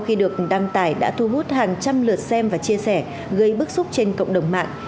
khi được đăng tải đã thu hút hàng trăm lượt xem và chia sẻ gây bức xúc trên cộng đồng mạng